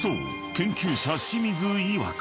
研究者清水いわく